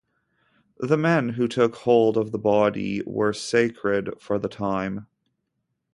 The men who took hold of the body were sacred for the time.